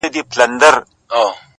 خود دي خالـونه پــه واوښتــل،